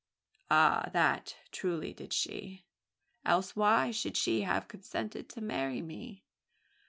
"Ah! that truly did she else why should she have consented to marry me?